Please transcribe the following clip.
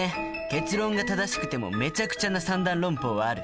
結論が正しくてもめちゃくちゃな三段論法はある。